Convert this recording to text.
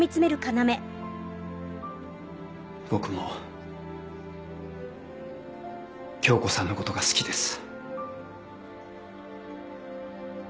僕も響子さんのことが好きです。